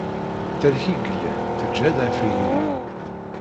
Tterk i yellan teǧhed ɣef Legrig.